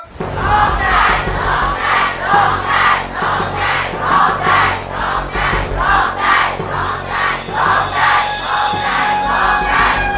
ร้องได้ร้องได้ร้องได้